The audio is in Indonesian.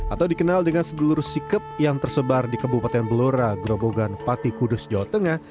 atau dikenal dengan segelurus sikep yang tersebar di kebupaten belora grobogan pati kudus jawa tengah